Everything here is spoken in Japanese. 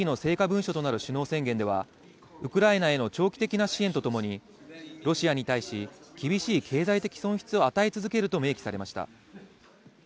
文書となる首脳宣言ではウクライナへの長期的な支援とともに、ロシアに対し厳しい経済的損失を与え続けると明記されました。